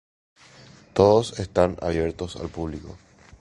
Todos están abiertos al público.